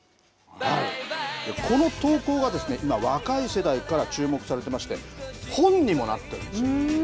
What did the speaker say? この投稿が今若い世代から注目されていまして本にもなっているんです。